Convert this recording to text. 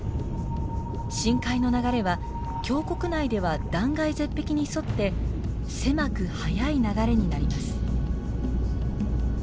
深海の流れは峡谷内では断崖絶壁に沿って狭く速い流れになります。